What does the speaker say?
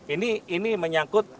ini ini menyangkut